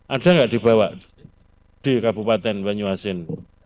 ada nggak dibawa di kabupaten banyuasin